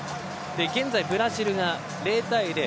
現在、ブラジルが０対０。